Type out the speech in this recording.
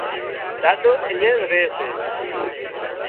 ڏاڏو اڃين ري سي